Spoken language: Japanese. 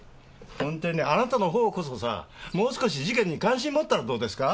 ホントにねあなたのほうこそさもう少し事件に関心持ったらどうですか？